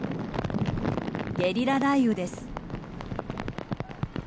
ゲリラ雷雨です。